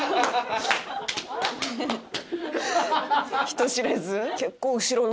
人知れず？